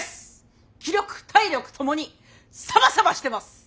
気力体力ともにサバサバしてます！